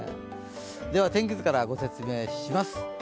では、天気図からご説明します。